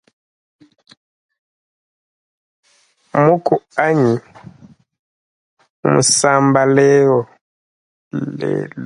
Muku wanyi mmunsamba lelu.